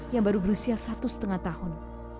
yang baru berusia satu lima tahun